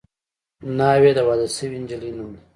ناوې د واده شوې نجلۍ نوم دی